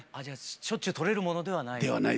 しょっちゅう撮れるものではないと。ではない。